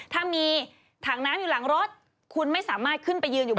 ถ้ามีถังน้ำอยู่หลังรถคุณไม่สามารถขึ้นไปยืนอยู่